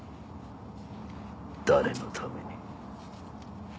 誰のために。